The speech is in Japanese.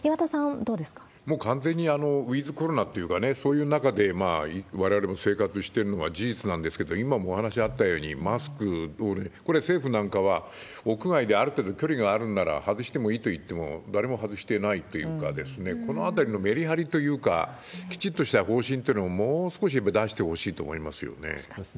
もう完全にウィズコロナというかね、そういう中でわれわれも生活してるのは事実なんですけど、今もお話あったように、マスク、これ、政府なんかは、屋外である程度距離があるんなら外してもいいと言っても、誰も外してないというか、このあたりのめりはりというか、きちっとした方針というのをもう少し出してほしいと思いますよね。